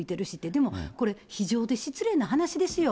でも、これ非情で失礼な話ですよ。